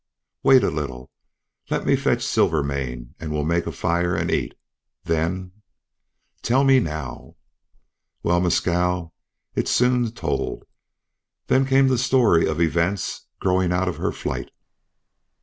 "Wait a little. Let me fetch Silvermane and we'll make a fire and eat. Then " "Tell me now." "Well, Mescal, it's soon told." Then came the story of events growing out of her flight.